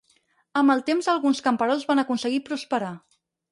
Amb el temps alguns camperols van aconseguir prosperar.